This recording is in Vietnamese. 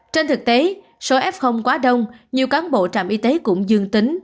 trên thực tế số f quá đông nhiều cán bộ trạm y tế cũng dương tính